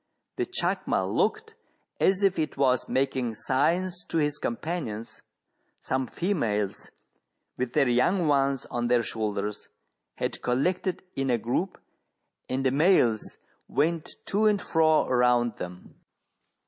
The chacma looked as if it was making signs to its com panions : some females, with their young ones on their shoul ders, had collected in a group, and the males went to and fro around them.